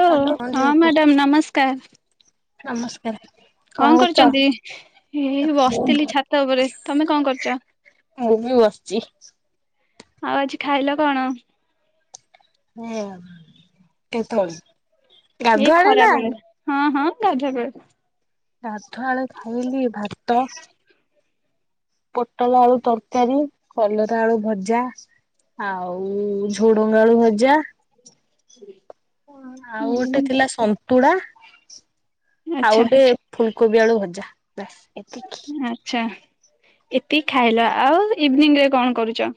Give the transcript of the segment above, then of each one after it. ଉ ହଁ ମ୍ୟାଡ଼ାାମ ନମସ୍କାର। କଣ କରୁଛନ୍ତି? ଏଇ ବସିଥିଲି ଛାତ ଉପରେ ତମେ କଣ କରୁଛ? ହଉ ମୁଁ ବସିଛି। ଆଉ ଆଜି ଖାଇଲ କଣ? ହଁ କେତେବେଳେ ଏ ଗାଧୁଆଳେ ଖରା ନା ବେଳେ ହଁ ହଁ ଗାଧୁଆ ବେଳେ। ଗାଧୁଆଳୁ ଖାଇଲି ଭାତ ପୋଟଳ ଆଳୁ ତରକାରୀ କଲରା ଆଳୁ ଭଜା ଆଉ ଝୁଡଙ୍ଗ ଆଳୁ ଭଜା ହୁଁ କଣ ଆଉ ଗୋଟେ ଥିଲା ସନ୍ତୁଳା ଆଉ ଆଚ୍ଛା ଗୋଟେ ଫୁଲ କୋବି ଆଳୁ ଭଜା ବାସ ଏତିକି। ଏତିକ ଖାଇଲ ଆଉ ଇଭିନିଂ ରେ କଣ କରୁଛ?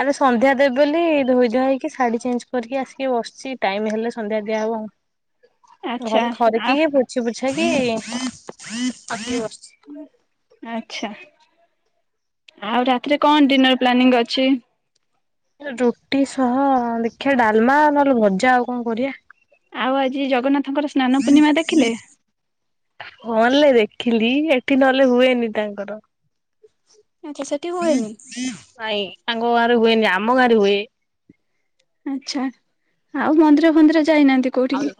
ଆଲ ସନ୍ଧ୍ୟା ଦେବି ବୋଲି ଧୋଇ ଧୁଆ ହେଇକି ଶାଢୀ ଚେଞ୍ଜ କରିକି ଆସିକି ବସିଛି ଟାଇମ ହେଲେ ସନ୍ଧ୍ୟା ଦିଆ ହ ବ ଆଚ୍ଛା ଘରେ ଆ ଖରିକି ହି ପୋଛି ପୁଛା କି ଆସିକି ବସ ଆଚ୍ଛା। ଆଉ ରାତିରେ କଣ ଡିନର ପ୍ଲାନିଂ ଅଛି? ରୁଟି ସହ ଦେଖିବା ଡାଲମା ନହେଲେ ଭଜା ଆଉ କଣ କରିବା। ଆଉ ଆଜି ଜଗନ୍ନାଥଙ୍କର ସ୍ନାନ ପୂର୍ଣ୍ଣିମା ଦେଖିଲେ। ହଲେ ଦେଖିଲି ଏଠି ନହେଲେ ହୁଏନି ତାଙ୍କର। ଆଚ୍ଛା ସେଠି ହୁଏନି? ନାଇଁ ତାଙ୍କ ଗାଁରେ ହୁଏନି ଆମ ଗାଁରେ ହୁଏ। ଆଚ୍ଛା ଆଉ ମନ୍ଦିର ଫନ୍ଦିର ଯାଇନାହାନ୍ତି କୋଉଠିିକି?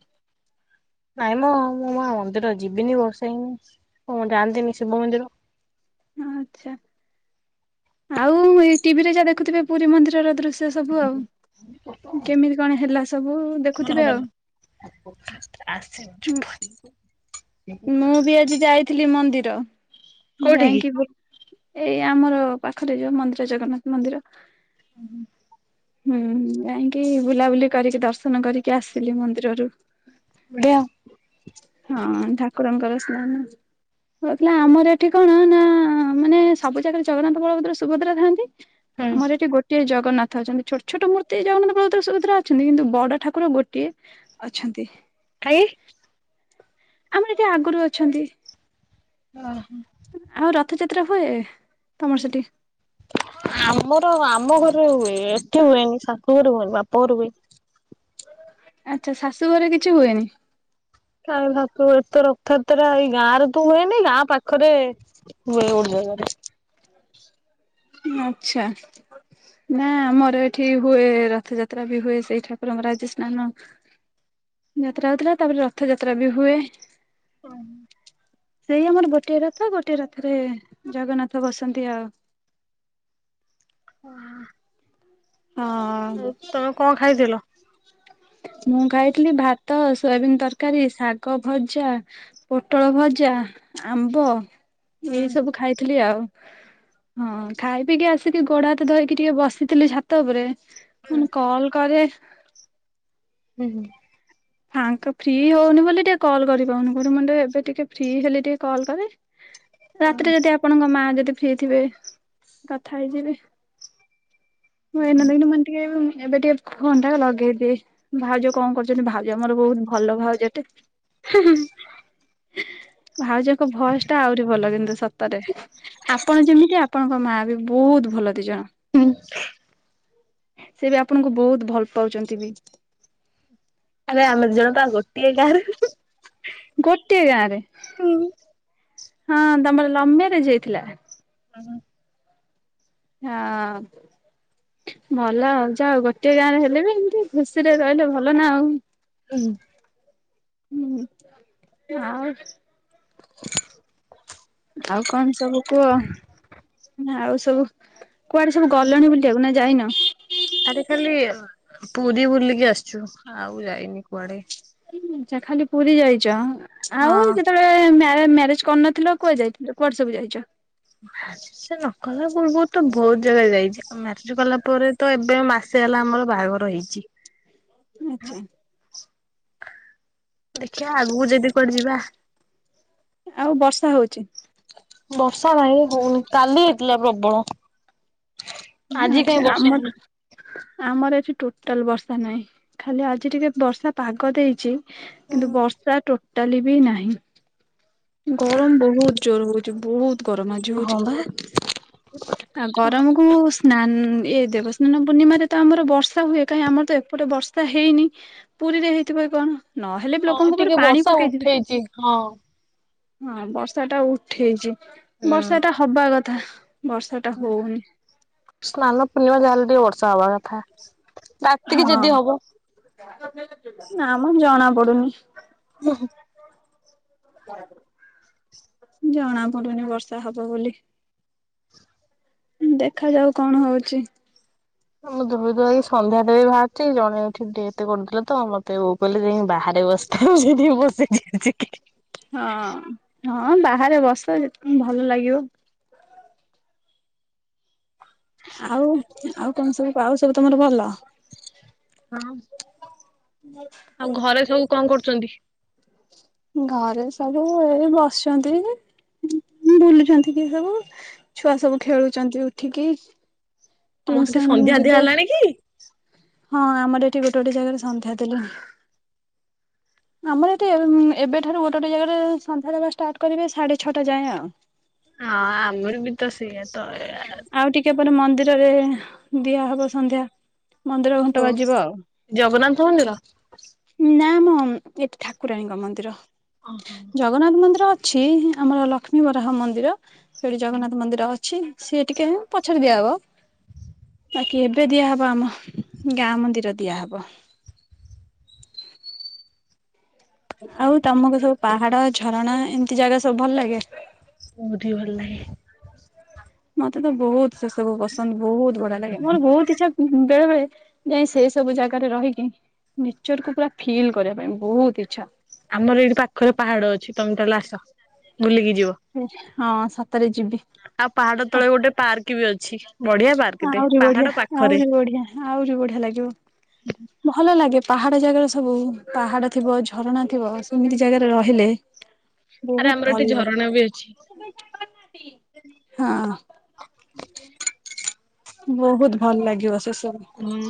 ହ [inaudible] ନାଇଁ ମ ମୋ-ମା ମନ୍ଦିର ଯିବିନି ବର୍ଷା ହେନି କଣ ଯାଆନ୍ତିନି ଶିବ ମନ୍ଦିର। ଆଚ୍ଛା ଆଉ ଏ ଟିଭିରେ ଯାହା ଦେଖୁଥିବେ ପୁରୀ ମନ୍ଦିରର ଦୃଶ୍ୟ। ସେ ସବୁ ଆଉ କେମିତି କଣ ହେଲା ସବୁ ଦେଖୁଥିବେ ଆଉ। ଆସୁ ମୁଁ ବି ଆଜି ଯାଇଥିଲି ମନ୍ଦିର କୋଉଠିକି? ଯାଇକି ଏଇ ଆମର ପାଖରେ ଯୋଉ ମନ୍ଦିର ଜଗନ୍ନାଥ ମନ୍ଦିର। ହୁ ହୁ [inaudible] ହୁଁ ଯାଇକି ବୁଲାବୁଲି କରିକି ଦର୍ଶନ କରିକି ଆସିଲି ମନ୍ଦିରରୁ। ହୁଁ ହଁ ଠାକୁରଙ୍କର ସ୍ନାନ କହୁଥିଲା ଆମର ଏଠି କଣ ନା ମାନେ ସବୁ ଜାଗାରେ ଜଗନ୍ନାଥ ବଳଭଦ୍ର ସୁଭଦ୍ରା ଥାନ୍ତି। ଆମର ଏଠି ଗୋଟେ ଜଗ ଜଗନ୍ନାଥ ଅଛନ୍ତି। ଛୋଟ ଛୋଟ ମୂର୍ତ୍ତି ଜଗନ୍ନାଥ ବଳଦ୍ର ସୁଭଦ୍ରା ଅଛନ୍ତି। କିନ୍ତୁ ବଡ ଠାକୁର ଗୋଟିଏ ଅଛନ୍ତି। ଖାଇ ଆମର ଏତେ ଆଗରୁ ଅଛନ୍ତି। ଓ ହୋ। ଆଉ ରଥଯାତ୍ରା ହୁଏ। ତମର ସେଠି? ଆମର ଆମ ଘରେ ହୁଏ ଏଠେ ହୁଏନି ଶାଶୁଘର ହୁଏନି ବାପା ଘର ହୁଏ। ଆଚ୍ଛା ଶାଶୁ ଘରେ କିଛି ହୁଏନି। କାଇ ଭ ଏ ତ ରଥଯାତ୍ରା ଏଇ ଗାଁ ରେ ତୁ ହୁଏନି ଗାଁ ପାଖରେ ହୁଏ। ରେ ଆଚ୍ଛା। ନା ମୋର ଏଠି ହୁଏ ରଥଯାତ୍ରା ବି ହୁଏ ସେଇ ଠାକୁରଙ୍କ ରାଜ ସ୍ନାନ ଯାତ୍ରା ହଉଥିଲା ତାପରେ ରଥ ଯାତ୍ରା ବି ହୁଏ। ହଁ। ସେଇ ଆମର ଗୋଟିଏ ରଥ ଗୋଟଏ ରଥରେ ଜଗନ୍ନାଥ ବସନ୍ତି ଆଉ। ଓ ହୋ। ହଁ ଆଉ ତମେ କଣ ଖାଇଥିଲ? ମୁଁ ଖାଇଥିଲି ଭାତ ସୋୟାବିିନ ତରକାରୀ ଶାଗ ଭଜା ପୋଟଳ ଭଜା ଆମ୍ବ ହୁଁ ଏଇ ସବୁ ଖାଇଥିଲି ଆଉ। ହଁ ଖାଇ ପିକି ଆସିକି ଗୋଡ ହାତ ଧୋଇକି ଟିକେ ବସିଥିଲି ଛାତ ଉପରେ। ମୁଁ କଲ୍ କରେ ହୁଁ-ହୁଁ। ସାଙ୍ଗ ଫ୍ରି ହଉନି ବୋଲି ଟିକେ କଲ୍ କରି ପଉନି କଠି ମୁଣ୍ଡ ଏବେ ଟିକେ ଫ୍ରି ହେଲେ ଟିକେ କଲ୍ କରେ ରାତିରେ ଯଦି ଆପଣଙ୍କ ମା ଯଦି ଫ୍ରି ଥିବେ କଥା ହେଇଯିବି। ହଁ [unintelligible] ଏନ ମଣ୍ଟିିକ [unintelligible] ଏବେ ଟିକେ ଫୋନ୍ଟା ଲଗେଇଦିଏ ଭାଉଜ କଣ କରୁଛନ୍ତି, ଭାଉଜ ମୋର ବହୁତ ଭଲ ଭାଉଜଟେ ହେଁ ହେଁ ହେଁ। ଭାଉଜଙ୍କ ଭୟସ ଟା ଆହୁରି ଭଲ କିନ୍ତୁ ସତରେ ଆପଣ ଯେମିତି ଆପଣ ତା ମାଆ ବି ବହୁତ ଭଲ ଦିଇ ଜଣ ହୁଁ। ସେ ବି ଆପଣଙ୍କୁ ବହୁତ ଭଲ ପାଉଛନ୍ତି ବି ଆରେ ଆମେ ଦି ଜଣ ପା ଗୋଟିଏ ଗାଁରେ ଗୋଟିଏ ଗାଁରେ ହଁ ତମର ଲଭ୍ ମାରେଜ ହେଇଥିଲା ହ [inaudible] ହଁ। ଭଲ ଆଉ ଯାଅ ଗୋଟଏ ଗାଁରେ ହେଲେ ବି ଏମିତି ଖୁସିରେ ରହିଲେ ଭଲ ନା ଆଉ ହୁଁ। ହୁଁ ଆଉ [inaudible] ଆଉ କଣ ସବୁ କୁହ ଆଉ ସବୁ କୁଆଡେ ସବୁ ଗଲଣି ବୁଲିବାକୁ ନା ଯାଇନ ଆରେ ଖାଲି ପୁରୀ ବୁଲିକି ଆସିଛୁ ଆଉ ଯାଇନି କୁଆଡେ ଆଛା ଖାଲି ପୁରୀ ଯାଇଛ ଆଉ ହଁ କେତେବେଳେ ମ୍ୟାରେଜ କରିନଥିଲ କୁଆ ଯାଇଥିଲ କୁଆଡେ ସବୁ ଯାଇଛ? ସେ ନ କଲେ [unintelligible] ଗୁଲବୁତ ତ ବହୁତ ଜାଗା ଯାଇଛିଉ ମାଷ୍ଟି୍ର କଲା ପରେ ତ ଏବେ ମାସେ ହେଲା ଆମର ବାହାଘର ହେଇଛି ଆଛା। ଦେଖିବା ଆଗକୁ ଯଦି କୁଆଡେ ଯିବା ଆଉ ବର୍ଷା ହଉଛି ବର୍ଷା ନାହିଁ ହଉନି କାଲି ହେଇଥିଲା ପ୍ରବଳ ଆଜି ଆଚ୍ଛା କାହିଁ ବର୍ଷା ହେଇନି ଆମର ଆମର ଆ ଟୋଟାଲ ବର୍ଷା ନାହିଁ ଖାଲି ଆଜି ଟିକେ ବର୍ଷା ପାଗ ଦେଇଛି କିନ୍ତୁ ବର୍ଷା ଟୋଟାଲି ବି ନାହିଁ ଗରମ ବହୁତ ଜୋର ହଉଛି ବହୁତ ଗରମ ଆଜି ହଁ ହଉଛି ବା ଆଉ ଗରମକୁ ସ୍ନାନ ଉଁ ଏଇ ଦେବ ସ୍ନାନ ପୂର୍ଣ୍ଣିମାରେ ତ ଆମର ବର୍ଷା ହୁଏ କାହିଁ ଆମର ତ ଏପଟେ ବର୍ଷା ହେଇନି ପୁରୀରେ ହେଇଥିବ କଣ ନହେଲେ ବି ହଁ ଲୋକଙ୍କ ଉପରେ ଟିକେ ପାଣି ବର୍ଷା ପକେଇଥିବେ ଉଠେଇଛି ହଁ। ହଁ ବର୍ଷା ଟା ଉଠେଇଛି ବର୍ଷା ଟା ହବା କଥା ବର୍ଷା ଟା ହଁ ହଉନି ସ୍ନାନ ପୂର୍ଣ୍ଣମାରେ ଯାହେଲେ ଟିକେ ବର୍ଷା ହେବା କଥା ରାତିକି ହଁ ଯଦି ହବ। ନା ମୁଁ ଜଣା ପଡୁନି ହଁ। ଜଣା ପଡୁନି ବର୍ଷା ହବ ବୋଲି ଦେଖାଯାଉ କଣ ହଉଛି। ମୁଁ ଧୋଇ ଧାଇ ସନ୍ଧ୍ୟା ଦେବି ବାହାରୁଛି ଜଣେ ଏଠି [unintelligible] ଡେେ କରୁଥିଲେ ତ ମତେ ବୋଉ କହିଲେ ଯାଇକ ବାହାରେ ଏ [unintelligible] ବ ସେଠି ବସିକି ଆ [unintelligible] ହଁ ହଁ ବାହାରେ ବସ ଯେତେ ଭଲ ଲାଗିବ ଆଉ ଆଉ କଣ ସବୁ ଆଉ ସବୁ ତମର ଭଲ ହ ଆଉ ଘରେ ସବୁ କଣ କରୁଛନ୍ତି? ଘରେ ସବୁ ଏଇ ବସିଛନ୍ତି। ବୁଲୁଛନ୍ତି କି ସବୁ ଛୁଆ ସବୁ ଖେଳୁଛନ୍ତି ଉଠିକି ଆମର ସେଠି ଟ୍ୟୁସନ୍ ସନ୍ଧ୍ୟା ଦିଆ ଯିବେ। ହେଲାଣି କି? ହଁ ଆମର ଏଠି ଗୋଟେ ଗୋଟେ ଜାଗାରେ ସନ୍ଧ୍ୟା ଦେଲେଣୀ। ହ ଆମର ଏଠି ଏବେଠାରୁ ଗୋଟେ ଗୋଟେ ଜାଗାରେ ସନ୍ଧ୍ୟା ଦେବା ଷ୍ଟାର୍ଟ କରିବେ ସାଢେ ଛଅଟା ଯାଏଁ ଆଉ ହଁ ଆମର ବି ତ ସେଇଆା ଆଉ ଟିକେ ପରେ ମନ୍ଦିରରେ ଦିଆହବ ସନ୍ଧ୍ୟା। ମନ୍ଦିର ଘଣ୍ଟ ବାଜିବ ଆଉ। ଜଗନ୍ନାଥ ମନ୍ଦିର ନା ମ ଏଠି ଠାକୁରାଣୀଙ୍କ ମନ୍ଦିର। ଓହୋ ଜଗନ୍ନାଥ ମନ୍ଦିର ଅ ଅଛି ଆମର ଲକ୍ଷ୍ମୀ ବରାହ ମନ୍ଦିର, ସେଠି ଜଗନ୍ନାଥ ମନ୍ଦିର ଅଛି ସିଏ ଟିକେ ହିଁ ପଛରେ ଦିଆ ହବ। ବାକି ଏବେ ଦିଆହବ ଆମ ଗାଁ ମନ୍ଦିର ଦିଆହବ। ଆଉ ତମକୁ ସବୁ ପାହାଡ ଝରଣା ଏମତି ଜାଗା ସବୁ ଭଲ ଲାଗେ? ବହୁତ ହି ଭଲ ଲାଗେ। ମତେ ତ ବହୁତ ସେସବୁ ପସନ୍ଦ ବହୁତ ବଢିଆ ଲାଗେ। ମୋର ବହୁତ ଇଚ୍ଛା ବେଳେବେଳେ ଯାଇ ସେ ସବୁ ଜାଗାରେ ରହିକି ନେଚରକୁୁ ପୁରା ଫିଲ୍ କରିବା ପାଇଁ ବହୁତ ଇଚ୍ଛା। ଆମର ଏଇଠି ପାଖରେ ପାହାଡ ଅଛି, ତମେ ତାହେଲେ ଆସ ବୁଲିକି ଯିବ। ହଁ ସତରେ ଯିବି। ଆଉ ପାହାଡ ତଳେ ଗୋଟେ ପାର୍କ ବି ଅଛି। ବଢିଆ ପାର୍କଟେ ଆହୁରି ପାହାଡ ବଢିଆ ପାଖରେ ଆହୁରି ବଢିଆ ଆହୁରି ବଢିଆ ଲାଗିବ। ଭଲ ଲାଗେ ପା ପାହାଡ ଜାଗାରେ ସବୁ ପାହାଡ ଥିବ, ଝରଣା ଥିବ, ସେମିତି ଜାଗାରେ ରହିଲେ ଆରେ ବହୁତ ଆମର ଭଲ ଏଠି ଲାଗେ ଝରଣା ବି ଅଛି। ହଁ। ବହୁତ ଭଲ ଲାଗିବ ସେସ ହୁଁ।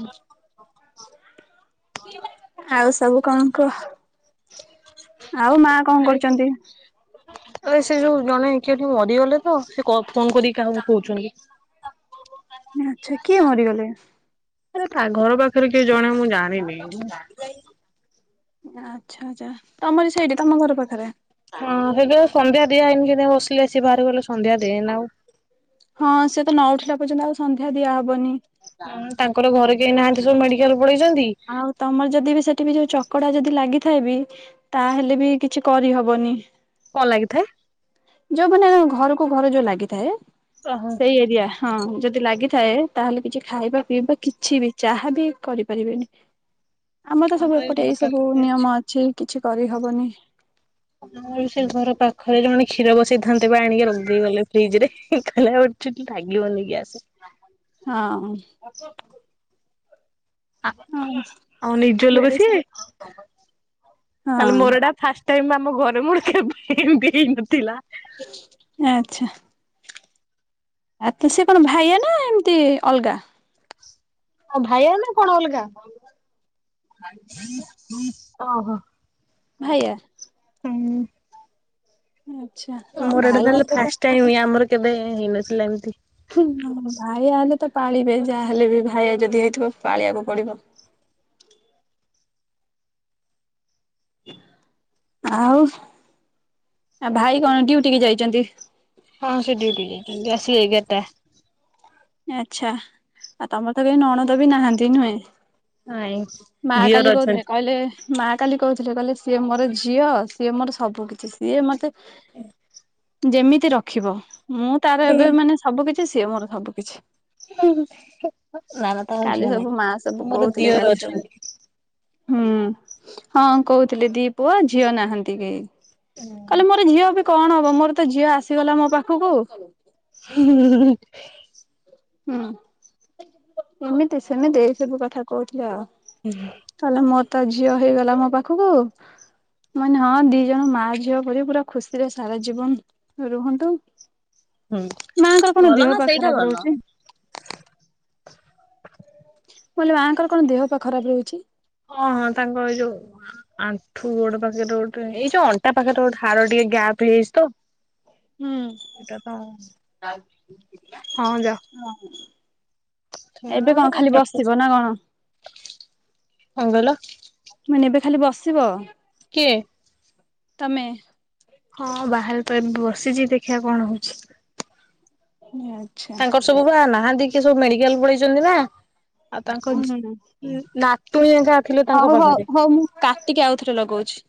ଆଉ ସବୁ କଣ କୁହ? ଆଉ ମା କଣ ଆରେ ବୋ କରୁଚନ୍ତି? ଆରେ ସେ ଯୋଉ ଜଣେ କିଏ ଏଠି ମରିଗଲେ ତ, ସେ କ ଫୋନ କରିକି କାହାକୁ କହୁଛନ୍ତି? ଆଚ୍ଛା କିଏ ମରିଗଲେ? ଆ ଘର ପାଖରେ କିଏ ଜଣେ ମୁଁ ଜାଣିନି? ଆଚ୍ଛା ଆଚ୍ଛା। ତମର ସେଇଠି ତମ ଘର ପାଖରେ ହଁ ସେଇଥିପାଇଁ ସନ୍ଧ୍ୟା ଦିଆ ହେଇନି। ସେଇଥିପାଇଁ ବସିଲି ଆସି ବାହାରକୁ ଗଲେ ସନ୍ଧ୍ୟା ଦେଏନା ଆଉ। ହଁ ସିଏ ତ ନ ଉଠିଲା ପର୍ଯ୍ୟନ୍ତ ଆଉ ସନ୍ଧ୍ୟା ଦିଆହବ ତାଙ୍କର ଘରେ କେହି ନାହାଁନ୍ତି ସବୁ ମେଡି ଆଉ ତମର ଯଦି ବି ସେଠି ବି ଯୋଉ ଚ କଡା ଯଦି ଲାଗିଥାଏ ବିି ତାହେଲେ ବି କିଛି କରି ହବନି। କଣ ଲାଗିଥାଏ? ଯୋଉ ମାନେ ଘରକୁ ଘର ଯୋଉ ଲାଗିଥାଏ ଓହୋ। ସେଇ ଏରିଆ ହଁ। ଯଦି ଲାଗିଥାଏ, ତାହେଲେ କିଛି ଖାଇବା ପିଇବା କିଛି ବି ଚାହା ବି କରିପାରିବେନି। ଆମର ତ ସବୁ ଏପଟେ ଏଇ ସବୁ ନିୟମ ଅଛି କିଛି କରିହବନି। ଆମର ସେ ଘର ପାଖରେ ଜଣେ କ୍ଷୀର ବସେଇଥାନ୍ତେ ବା ଆଣିକି ରଖିଦେଇ ଗଲେ ଫ୍ରିଜରେ। କହିଲେ ଆଉ କିଛି ତ ଲାଗିବନି ଗ୍ୟାସ୍। ହଁ। ଆ ହଁ ଆଉ ନିଜ ଲୋକ ସିଏ? ତାହେଲେ ମୋର ଏଇଟା ଫାଷ୍ଟ୍ ଟାଇମ୍ ଆମ ଘରେ ମୋର କେବେ ଏମତି ହେଇନଥିଲା। ଆଚ୍ଛା। ଆ ତ ସେ କଣ ଭାଇଆ ନା ଏମତି ଅଲଗା? ଆଉ ଭାଇଆ ନା କଣ ଅଲଗା? ଓହୋ। ଭାଇଆ? ହୁଁ। ଆଚ୍ଛା ହଁ ମୋର ଭାଇ ଏଇଟା ତାହେଲେ ହେଲେ ତ ଫାଷ୍ଟ ଟାଇମ, ଆମର କେବେ ହେଇନଥିଲା ଏମତି। ହଁ ଭାଇଆ ହେଲେ ତ ପାଳିବେ, ଯାହାହେଲେ ବି ଭାଇଆ ଯଦି ହେଇଥିବ ପାଳିଆକୁ ପଡିବ। ଆଉ ଆ ଭାଇ କଣ ଡିଉଟି କି ଯାଇଛନ୍ତି? ହଁ ସେ ଡିଉଟି କି ଯାଇଛନ୍ତି ଆସିଲେ ଏଗାର ଟା। ଆଛା ଆଉ ତମର ତ କେ ନଣଦ ବି ନାହାନ୍ତି ନୁହେଁ? ନାଇଁ ମା ଦିଅର କାଲି କହୁଥିଲେ ଅଛନ୍ତି। କହିଲେ ମା କାଲି କହୁଥିଲେ କହିଲେ ସିଏ ମୋର ଝିଅ ସିଏ ମୋର ସବୁ କିିଛି ସିଏ ମତେ [inaudible] ଯେମିତି ରଖିବ ମୁଁ ତାର ଏବେ ମାନେ ସବୁ କିିଛି ସିଏ ମୋର ସବୁ କିିଛି। ନା ନା ତାଙ୍କ କାଲି ଝିଅ ସବୁ ନାହିଁ ମା ସବୁ ମୋର କହୁଥିଲେ ଦିଅର କାଲି ସବୁ ଅଛନ୍ତି। ହୁଁ। ହଁ କହୁଥିଲି ଦି ପୁଅ ଝିଅ ନାହାନ୍ତି କେହି। କହିଲେ ମୋର ଝିଅ ବି କଣ ହବ ମୋର ତ ଝିଅ ଆସିଗଲା ମୋ ପାଖକୁ। ହୁଁ ହୁଁ ଏମିତି ସେମିତି ଏଇ ସବୁ କଥା କହୁଥିଲେ ଆଉ। ତାହେଲେ ମୋ ତା ଝିଅ ହେଇଗଲା ମୋ ପାଖକୁ ମେ ହଁ ଦି ଜଣ ମା ଝିଅ ପ ପୁରା ଖୁସିରେ ସାରା ଜୀବନ ରୁହନ୍ତୁ। ହୁଁ ମାଙ୍କର କଣ ଭଲ ଦେହ ନା ପା ସେଇଟା ଖରାପ ଭଲ। ରହୁଛି। [unintelligible] ମାଆଙ୍କର କଣ ଦେହ ପା ଖରାପ ରହୁଛି। ହଁ ହଁ ତାଙ୍କ ଏଇ ଯୋଉ ଆଣ୍ଠୁ ଗୋଡ ପାଖରେ ଗୋଟେ ଏଇ ଯୋଉ ଅଣ୍ଟା ପାଖରେ ଗୋଟେ ହାଡ ଟିକେ ଗ୍ୟାପ ହେଇଚି ତ ହଁ ସେଟ ତ ହଁ ଯା ହଁ। ଏବେ କଣ ଖାଲି ବସିବ ନା କଣ? କହିଲ ମାନେ ଏବେ ଖାଲି ବସିବ। କିଏ? ତମେ। ହଁ ବାହାରେ ବସିଛି ଦେଖିବା କଣ ହଉଛି। ଆଚ୍ଛା ତାଙ୍କର ସବୁ ବା ନାହାନ୍ତି କି ସବୁ ମେଡିକାଲ ପଳେଇଛନ୍ତି ନା। ଆଉ ତାଙ୍କ ହୁଁ ନା ହଉ ହଉ ହଉ ମୁଁ କାତିକି ଆଉଥରେ ଲଗଉଛି।